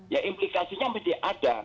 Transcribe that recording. ya implikasinya masih ada